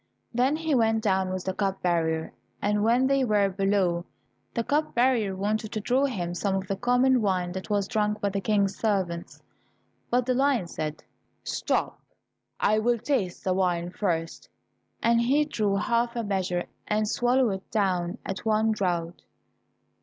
Then he went down with the cup bearer, and when they were below, the cup bearer wanted to draw him some of the common wine that was drunk by the King's servants, but the lion said, "Stop, I will taste the wine first," and he drew half a measure, and swallowed it down at one draught.